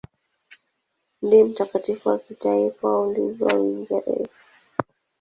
Ndiye mtakatifu wa kitaifa wa ulinzi wa Uingereza.